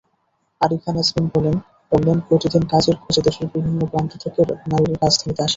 আরিফা নাজনীন বললেন, প্রতিদিন কাজের খোঁজে দেশের বিভিন্ন প্রান্ত থেকে নারীরা রাজধানীতে আসেন।